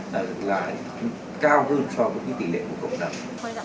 cũng cao hơn so với tỷ lệ của cộng đồng